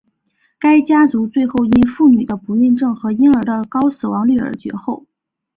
该家族最后因妇女的不孕症和婴儿的高死亡率而绝后。